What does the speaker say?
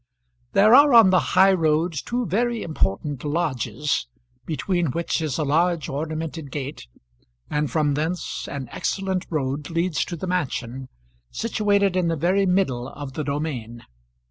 There are on the high road two very important lodges, between which is a large ornamented gate, and from thence an excellent road leads to the mansion, situated in the very middle of the domain.